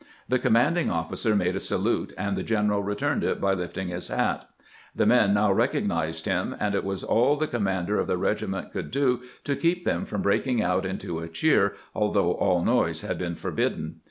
The commanding officer made a salute, and the general returned it by lifting his hat. The men now recognized him, and it was all the commander of the regiment could do to keep them from breaking out into a cheer, although all noise had been forbidden.